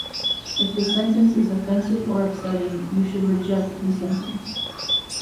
If the sentence is offensive or upsetting, you should reject the sentence.